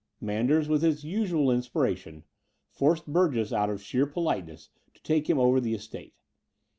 Manders, with his usual inspiration, forced Burgess out of sheer politeness to take him over the estate.